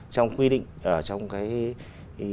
trong quy định ở trong cái